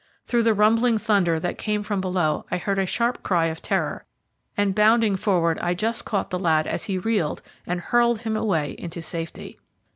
Through the rumbling thunder that came from below I heard a sharp cry of terror, and bounding forward I just caught the lad as he reeled, and hurled him away into safety.